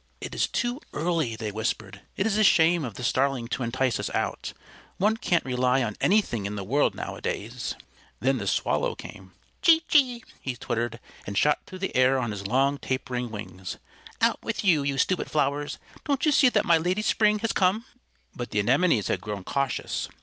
"It is too early," they whispered. "It is a shame of the Starling to entice us out. One can't rely on anything in the world nowadays." Then the Swallow came. "Chee! chee!" he twittered, and shot through the air on his long, tapering wings. "Out with you, you stupid flowers! Don't you see that my Lady Spring has come?" But the Anemones had grown cautious.